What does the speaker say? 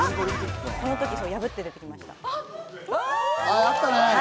この時は破って出てきました。